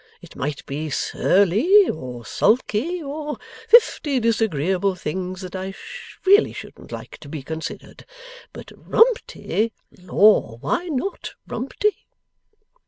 It might be Surly, or Sulky, or fifty disagreeable things that I really shouldn't like to be considered. But Rumty! Lor, why not Rumty?